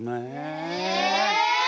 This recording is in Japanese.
え！